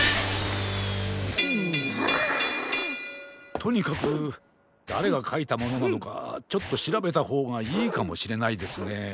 とにかくだれがかいたものなのかちょっとしらべたほうがいいかもしれないですね。